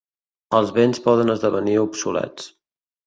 Els béns poden esdevenir obsolets.